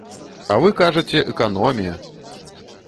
А вы кажаце, эканомія!